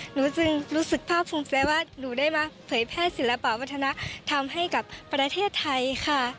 หนูจึงรู้สึกภาพภูมิใจว่าหนูได้มาเผยแพร่ศิลปะวัฒนธรรมให้กับประเทศไทยค่ะ